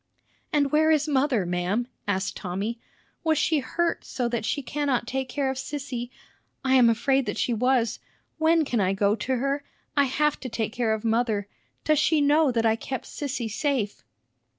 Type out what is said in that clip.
"And where is mother, ma'am?" asked Tommy. "Was she hurt so that she cannot take care of Sissy? I am afraid that she was. When can I go to her? I have to take care of mother. Does she know that I kept Sissy safe?"